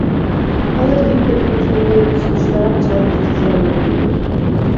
Ал эркектердин кийимдерин сунуштаган жалгыз дизайнер болду.